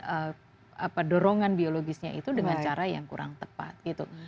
lalu mereka mengeladurkan dorongan biologisnya itu dengan cara yang kurang tepat gitu